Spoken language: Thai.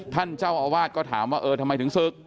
ท่านเจ้าอาวาสก็ถามว่าเออทำไมถึงศึก